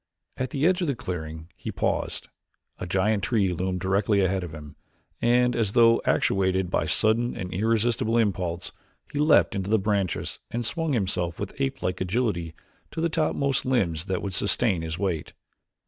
At the edge of the clearing he paused; a giant tree loomed directly ahead of him and, as though actuated by sudden and irresistible impulse, he leaped into the branches and swung himself with apelike agility to the topmost limbs that would sustain his weight.